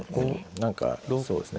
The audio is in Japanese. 何かそうですね